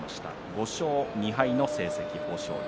５勝２敗の成績、豊昇龍。